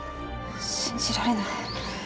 信じられない。